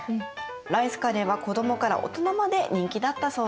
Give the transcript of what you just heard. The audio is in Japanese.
ライスカレーは子どもから大人まで人気だったそうです。